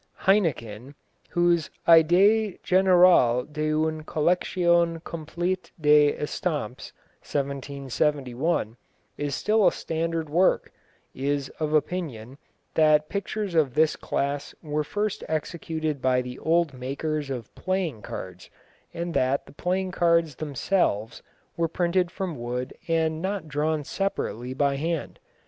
Heinecken, whose Idée general d'une Collection complette d'Estampes (1771) is still a standard work, is of opinion that pictures of this class were first executed by the old makers of playing cards, and that the playing cards themselves were printed from wood and not drawn separately by hand.